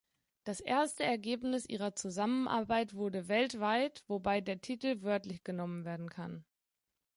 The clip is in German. Das erste Ergebnis ihrer Zusammenarbeit wurde "Weltweit" wobei der Titel wörtlich genommen werden kann.